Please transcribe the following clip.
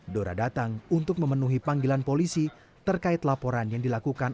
dora datang untuk memenuhi panggilan polisi terkait laporan yang dilakukan